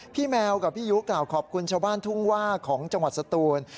พี่แมวกับพี่ยุขอบคุณชาวบ้านทุ่งวาของจังหวัดศตูน